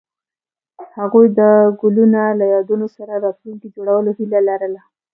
هغوی د ګلونه له یادونو سره راتلونکی جوړولو هیله لرله.